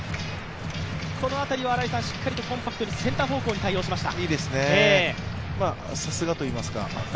この辺りはしっかりとコンパクトにセンター方向に対応しました。